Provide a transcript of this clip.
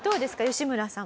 吉村さん。